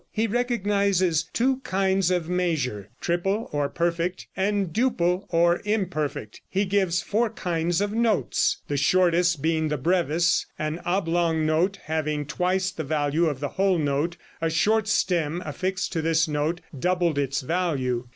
He recognizes two kinds of measure triple or perfect, and duple or imperfect. He gives four kinds of notes the shortest being the brevis, an oblong note having twice the value of a whole note; a short stem affixed to this note doubled its value.